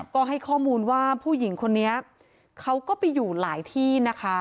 ก็ให้ข้อมูลว่าผู้หญิงคนนี้เขาก็ไปอยู่หลายที่นะคะ